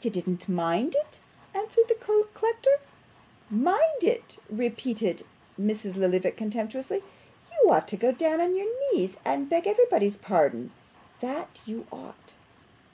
'You didn't mind it?' cried the collector. 'Mind it!' repeated Mrs. Lillyvick contemptuously. 'You ought to go down on your knees and beg everybody's pardon, that you ought.